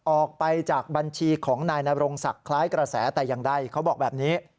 ออกไปจากบัญชีของนายนรงศักดิ์คล้ายกระแสแต่อย่างใดเขาบอกแบบนี้